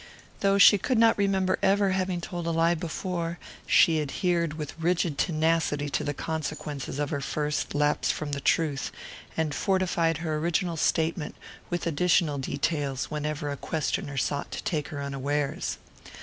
Though she could not remember ever having told a lie before, she adhered with rigid tenacity to the consequences of her first lapse from truth, and fortified her original statement with additional details whenever a questioner sought to take her unawares.